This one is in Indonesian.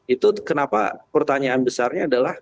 itu kenapa pertanyaan besarnya adalah